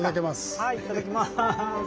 はいいただきます。